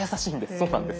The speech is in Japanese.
そうなんです。